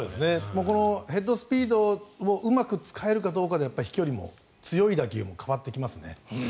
このヘッドスピードをうまく使えるかどうかで飛距離も強い打球も変わってきますね。